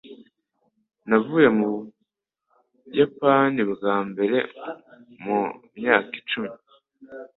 Navuye mu Buyapani bwa mbere mu myaka icumi.